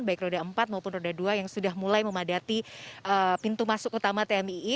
baik roda empat maupun roda dua yang sudah mulai memadati pintu masuk utama tmii